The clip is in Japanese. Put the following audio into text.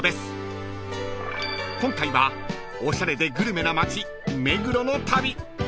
［今回はおしゃれでグルメな街目黒の旅］